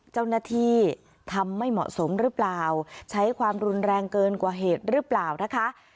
เจ้าหน้าที่ทำไม่เหมาะสมหรือเปล่าใช้ความรุนแรงเกินกว่าเหตุหรือเปล่านะคะ